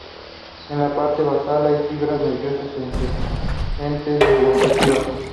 En la parte basal hay fibras nerviosas eferentes gustativas.